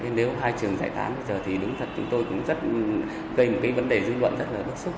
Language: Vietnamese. nếu hai trường giải thán bây giờ thì đúng thật chúng tôi cũng gây một vấn đề dư luận rất bức xúc